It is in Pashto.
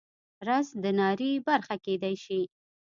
رس د ناري برخه کیدی شي